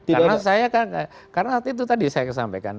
karena saya kan karena itu tadi saya sampaikan